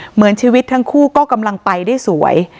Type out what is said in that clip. เหมือนชีวิตทั้งคู่ก็กำลังไปได้สวย